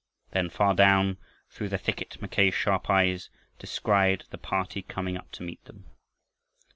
Then far down through the thicket Mackay's sharp eyes descried the party coming up to meet them.